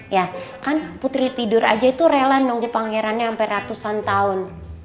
ya kan putri tidur aja itu rela nunggu pangerannya sampai ratusan tahun